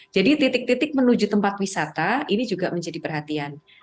jadi titik titik menuju tempat wisata ini juga menjadi perhatian